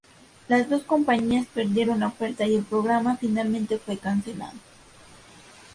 Las dos compañías perdieron la oferta y el programa finalmente fue cancelado.